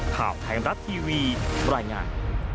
ข้ามไทยรับทรีวีปรายงาน